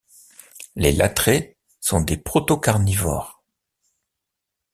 Les lathrées sont des protocarnivores.